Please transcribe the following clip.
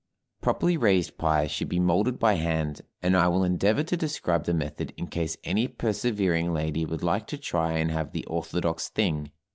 Properly raised pies should be molded by hand, and I will endeavor to describe the method in case any persevering lady would like to try and have the orthodox thing.